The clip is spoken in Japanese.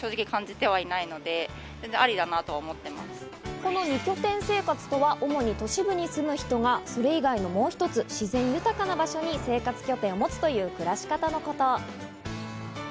この二拠点生活とは主に都市部に住む人がそれ以外のもう一つ、自然豊かな場所に生活拠点を持つという暮らし方のこと。